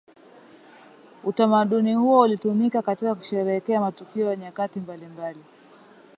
Utamaduni huo ulitumika katika kusherehekea matukio ya nyakati mbalimbali